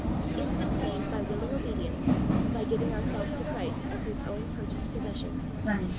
It is obtained by willing obedience, by giving ourselves to Christ as His own purchased possession.